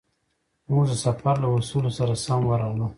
موږ د سفر له اصولو سره سم ورغلو.